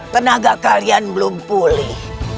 tenaga kalian belum pulih